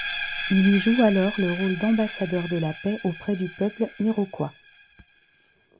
Il y joue alors le rôle d’ambassadeur de la paix auprès du peuple Iroquois.